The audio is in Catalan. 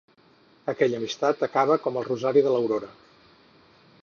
Aquella amistat acaba com el rosari de l'aurora.